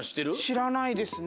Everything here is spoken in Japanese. しらないですね。